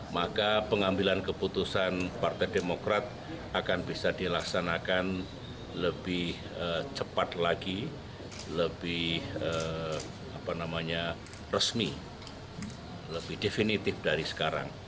maka pengambilan keputusan partai demokrat akan bisa dilaksanakan lebih cepat lagi lebih resmi lebih definitif dari sekarang